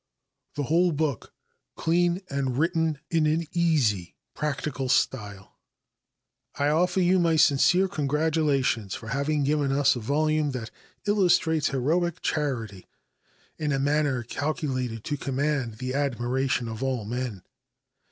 "The Whole Book Clean and Written in an Easy, Practical Style." I offer you my sincere congratulations for having given us a volume that illustrates heroic charity, in a manner calculated to command the admiration of all men.